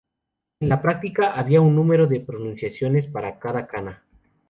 En la práctica había un número de pronunciaciones par cada kana.